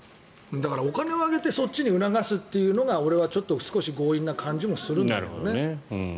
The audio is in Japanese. だからお金を上げてそっちに促すというのはちょっと強引な感じもするんだよね。